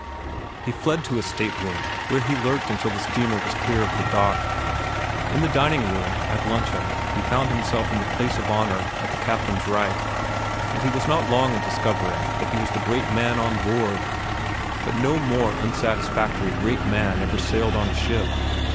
He fled to his stateroom, where he lurked until the steamer was clear of the dock. In the dining saloon, at luncheon, he found himself in the place of honor, at the captain's right; and he was not long in discovering that he was the great man on board. But no more unsatisfactory great man ever sailed on a ship.